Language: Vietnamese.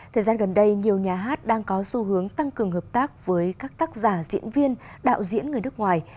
thời gian gần đây nhiều nhà hát đang có xu hướng tăng cường hợp tác với các tác giả diễn viên đạo diễn người nước ngoài